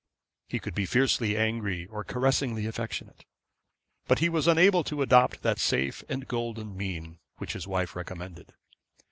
He could be fiercely angry, or caressingly affectionate. But he was unable to adopt that safe and golden mean, which his wife recommended.